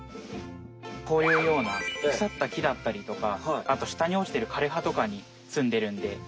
こういうようなくさった木だったりとかあとしたに落ちてるかれ葉とかにすんでるんで。